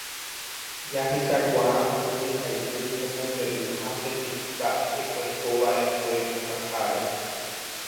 Jahechakuaa ko jehaipy omombe'uha peteĩ mba'e oikova'ekue okaháre